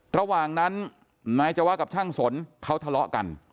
ระหว่างนั้นนายจวะกับช่างสนเขาทะเลาะกัน